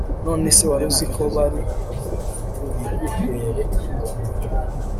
nonese waruzi ko bari bubiguhere ubuntu